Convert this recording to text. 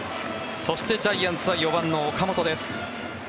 そして、ジャイアンツは４番の岡本です。